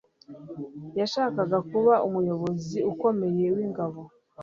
Yashakaga kuba umuyobozi ukomeye wingabo.